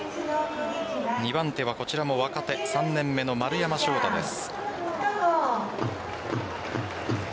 ２番手はこちらも若手３年目の丸山翔大です。